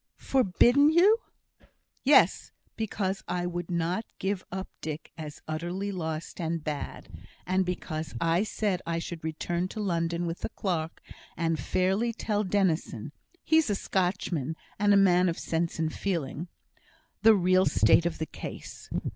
"Forbidden you!" "Yes; because I would not give up Dick as utterly lost and bad; and because I said I should return to London with the clerk, and fairly tell Dennison (he's a Scotchman, and a man of sense and feeling) the real state of the case.